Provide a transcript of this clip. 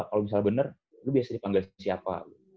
kalo misalnya bener lo biasanya dipanggil siapa